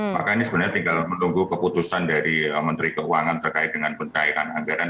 maka ini sebenarnya tinggal menunggu keputusan dari menteri keuangan terkait dengan pencairan anggaran